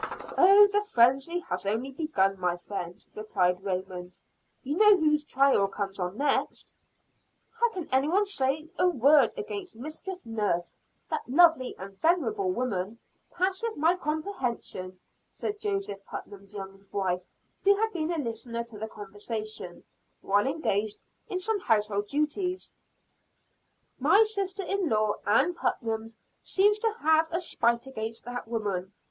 "Oh, the frenzy has only begun, my friend," replied Raymond. "You know whose trial comes on next?" "How any one can say a word against Mistress Nurse that lovely and venerable woman passeth my comprehension," said Joseph Putnam's young wife, who had been a listener to the conversation, while engaged in some household duties. "My sister in law, Ann Putnam, seems to have a spite against that woman.